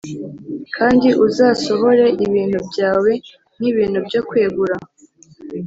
Kandi uzasohore ibintu byawe nk ibintu byo kwegura